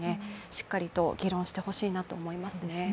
しっかりと議論してほしいと思います。